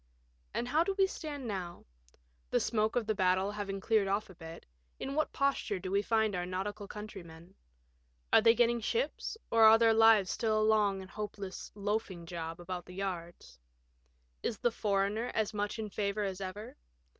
And how do we stand now ? The smoke of the battle having cleared off a bit, in what posture do we find our nautical countrymen? Are they getting ships, or are their lives still a long and hopeless *' loafing job " about the yards ? Is the foreigner as much in favour as ever